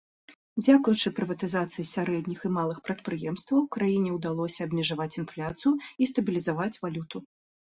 Дзякуючы прыватызацыі сярэдніх і малых прадпрыемстваў краіне ўдалося абмежаваць інфляцыю і стабілізаваць валюту.